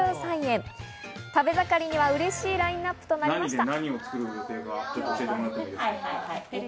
食べ盛りにはうれしいラインナップとなりました。